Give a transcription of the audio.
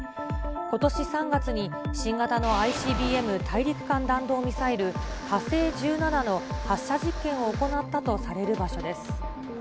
ことし３月に新型のＩＣＢＭ・大陸間弾道ミサイル、火星１７の発射実験を行ったとされる場所です。